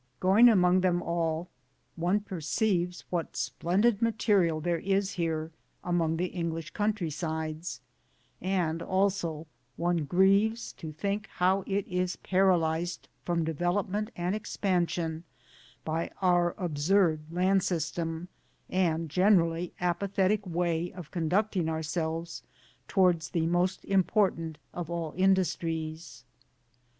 Going among them all one perceives what splendid material there is here among the English country sides ; and also one grieves to think how it is paralysed from development and expansion by our absurd land system and generally apathetic way of conducting ourselves towards the most important of all industries.